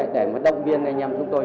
để mà động viên anh em chúng tôi